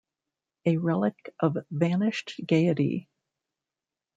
A relic of vanished gaiety!